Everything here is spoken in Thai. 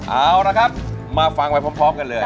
เอาละครับมาฟังไปพร้อมกันเลย